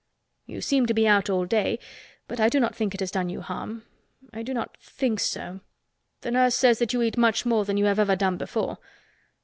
"You seem to be out all day but I do not think it has done you harm—I do not think so. The nurse says that you eat much more than you have ever done before."